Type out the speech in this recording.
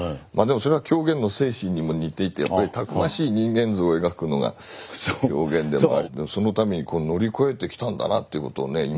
それは狂言の精神にも似ていてたくましい人間像を描くのが狂言でもありそのために乗り越えてきたんだなということをね